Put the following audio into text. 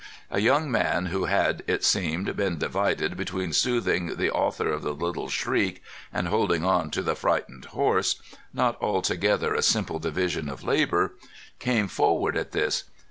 A young man, who had, it seemed, been divided between soothing the author of the little shriek and holding on to the frightened horse—not altogether a simple division of labour—came forward at this.